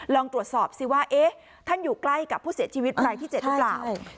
ลองตรวจสอบสิว่าท่านอยู่ใกล้กับผู้เสียชีวิตรายที่๗หรือเปล่า